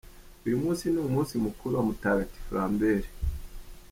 Uyu munsi ni umunsi mukuru wa Mutagatifu Lambert.